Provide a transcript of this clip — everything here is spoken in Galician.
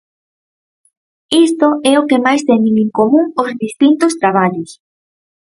Isto é o que máis teñen en común os distintos traballos.